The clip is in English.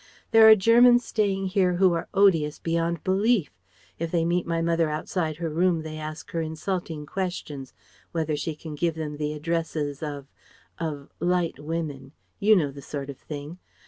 There are Germans staying here who are odious beyond belief. If they meet my mother outside her room they ask her insulting questions whether she can give them the addresses of of light women ... you know the sort of thing.